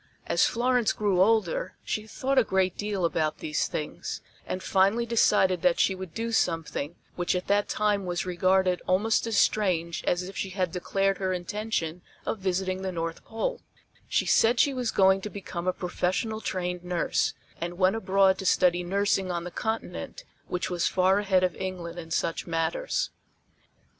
As Florence grew older she thought a great deal about these things, and finally decided that she would do something which at that time was regarded almost as strange as if she had declared her intention of visiting the North Pole she said she was going to become a professional trained nurse, and went abroad to study nursing on the Continent which was far ahead of England in such matters.